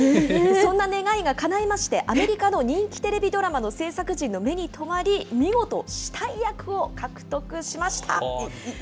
そんな願いがかないまして、アメリカの人気テレビドラマの制作陣の目に留まり、見事、死体役を獲得しました。